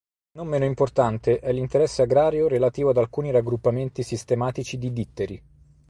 Non meno importante è l'interesse agrario relativo ad alcuni raggruppamenti sistematici di ditteri.